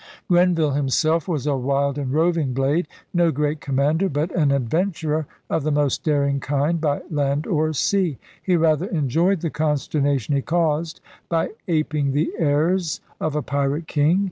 Grenville himself was a wild and roving blade, no great commander, but an adventurer of the most daring kind by land or sea. He rather en joyed the consternation he caused by aping the airs of a pirate king.